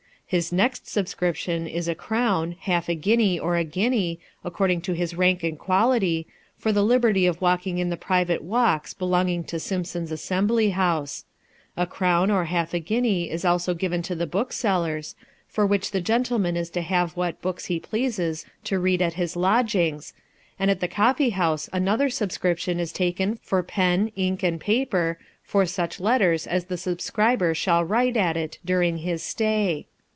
His next subscription is a crown, half a guinea, or a guinea, according to his rank and quality, for the liberty of walking in the private walks belonging to Simpson's assembly house ; a crown or half a guinea is also given to the booksellers, for which the gentle man is to have what books he pleases to read at his lodgings, and at the coffee house another subscription is taken for pen, ink, and paper, for such letters as the subscriber shall write at it during "his stay.